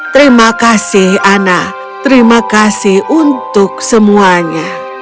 terima kasih ana terima kasih untuk semuanya